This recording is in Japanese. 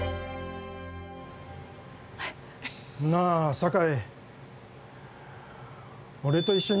なあ酒井。